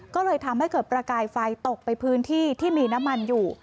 ก็เลยทำให้เกิดประกายไฟตกไปพื้นที่ที่มีน้ำมันอยู่